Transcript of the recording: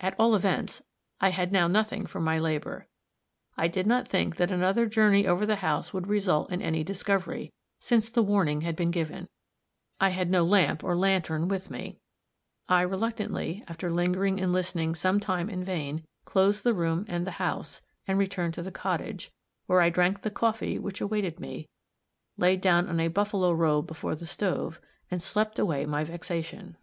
At all events, I had now nothing for my labor. I did not think that another journey over the house would result in any discovery, since the warning had been given; I had no lamp or lantern with me; I reluctantly, after lingering and listening some time in vain, closed the room and the house, and returned to the cottage, where I drank the coffee which awaited me, laid down on a buffalo robe before the stove, and slept away my vexation.